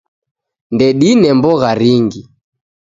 Ndedine mbogha ringi.